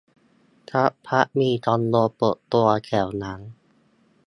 สักพักมีคอนโดเปิดตัวแถวนั้น